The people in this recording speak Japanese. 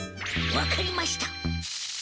分かりました。